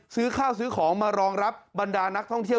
ซื้อข้าวซื้อของมารองรับบรรดานักท่องเที่ยว